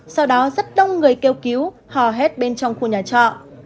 sau đó rất đông người kêu cứu hò hét bên trong khu nhà trọ